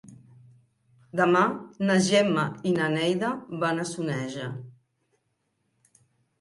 Demà na Gemma i na Neida van a Soneja.